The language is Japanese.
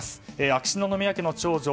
秋篠宮家の長女